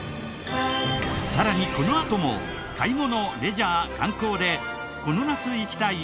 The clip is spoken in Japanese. さらにこのあとも買い物レジャー観光でこの夏行きたい！